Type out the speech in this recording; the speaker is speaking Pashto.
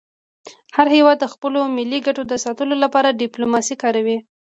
هر هېواد د خپلو ملي ګټو د ساتلو لپاره ډيپلوماسي کاروي.